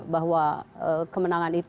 bahwa kemenangan itu